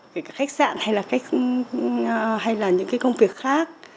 kể cả khách sạn hay là những cái công việc khác